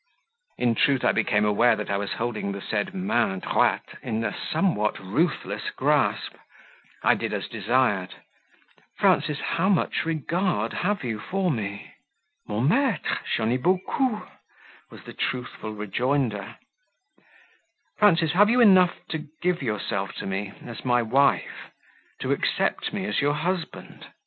In truth I became aware that I was holding the said "main droite" in a somewhat ruthless grasp: I did as desired; and, for the third time, asked more gently "Frances, how much regard have you for me?" "Mon maitre, j'en ai beaucoup," was the truthful rejoinder. "Frances, have you enough to give yourself to me as my wife? to accept me as your husband?"